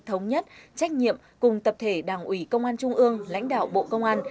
thống nhất trách nhiệm cùng tập thể đảng ủy công an trung ương lãnh đạo bộ công an